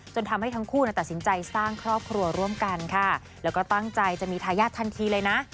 ทำให้ทั้งคู่ตัดสินใจสร้างครอบครัวร่วมกันค่ะแล้วก็ตั้งใจจะมีทายาททันทีเลยนะ